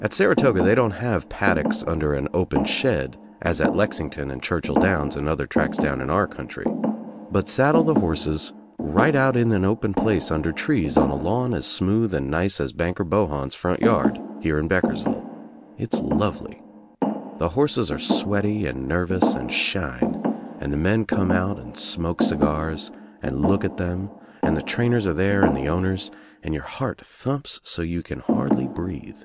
At Saratoga they don't have paddocks under an open shed as at Lexington and Churchill Downs and other tracks down In our country, but saddle the horses right out in an open place under trees on a lawn as smooth and nice as Banker Bohon's front yard here in Beck ersville. It's lovely. The horses are sweaty and nervous and shine and the men come out and smoke I I WANT TO KNOW WHY 1$ cigars and look at them and the trainers are there and the owners, and your heart thumps so you can hardly breathe.